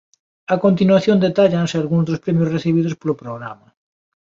A continuación detállanse algúns dos premios recibidos polo programa.